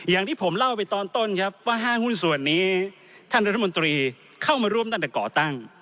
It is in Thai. อย่างที่ผมเล่าไปตอนต้นครับว่าห้างหุ้นส่วนนี้ท่านรัฐมนตรีเข้ามาร่วมตั้งแต่ก่อตั้ง